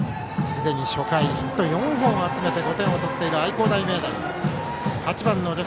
すでに初回ヒットを４本集めて５点を取っている愛工大名電。